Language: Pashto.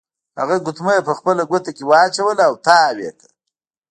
هغه ګوتمۍ په خپله ګوته کې واچوله او تاو یې کړه.